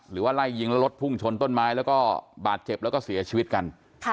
หรือว่าไล่ยิงแล้วรถพุ่งชนต้นไม้แล้วก็บาดเจ็บแล้วก็เสียชีวิตกัน